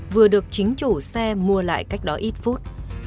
vừa được chính chủ xe mua lại cách đó ít phút